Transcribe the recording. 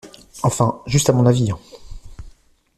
Enfin, juste à mon avis, hein!